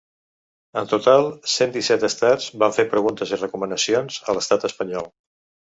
En total, cent disset estats van fer preguntes i recomanacions a l’estat espanyol.